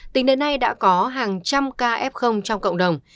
tính đến nay đã có hàng trăm ca f trong cộng đồng